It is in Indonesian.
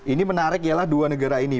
ini menarik ya lah dua negara ini